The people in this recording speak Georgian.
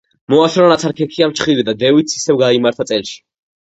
მოაშორა ნაცარქექიამ ჩხირი და დევიც ისევ გაიმართა წელში.